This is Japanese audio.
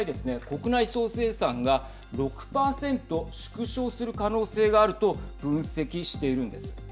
国内総生産が６％、縮小する可能性があると分析しているんです。